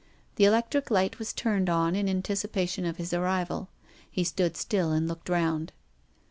The electric light was turned on in anticipation of his arrival. He stood still and looked round.